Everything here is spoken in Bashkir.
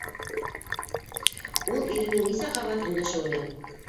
Ул иренең нисә ҡабат өндәшеүенә: